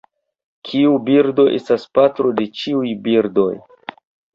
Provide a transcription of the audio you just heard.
Kiu birdo estas patro de ĉiuj birdoj?